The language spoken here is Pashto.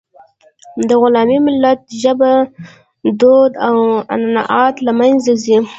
د غلام ملت ژبه، دود او عنعنات له منځه ځي.